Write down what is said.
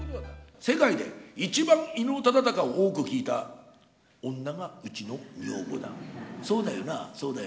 世界で一番、伊能忠敬を多く聞いた女が、うちの女房だ。